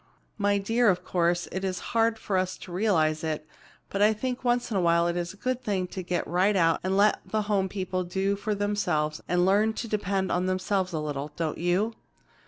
My dear, of course, it is hard for us to realize it, but I think once in awhile it is a good thing to get right out and let the home people do for themselves and learn to depend on themselves a little. Don't you?"